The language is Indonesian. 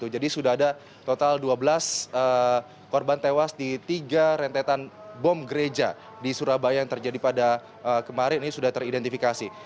jadi sudah ada total dua belas korban tewas di tiga rentetan bom gereja di surabaya yang terjadi pada kemarin ini sudah teridentifikasi